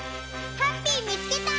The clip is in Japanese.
ハッピーみつけた！